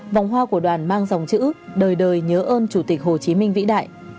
vòng hoa của đoàn mang dòng chữ đời đời nhớ ơn chủ tịch hồ chí minh vĩ đại